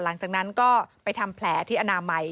หลังจากนั้นก็ไปทำแผลที่อนามัย